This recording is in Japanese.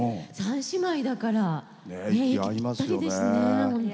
３姉妹だから息ぴったりでしたね。